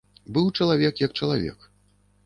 Быў чалавек як чалавек.